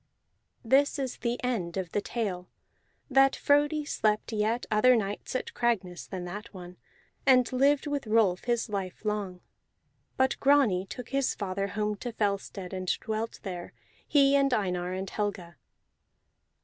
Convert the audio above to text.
This is the end of the tale, that Frodi slept yet other nights at Cragness than that one, and lived with Rolf his life long. But Grani took his father home to Fellstead, and dwelt there, he and Einar and Helga.